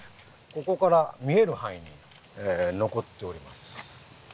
ここから見える範囲に残っております。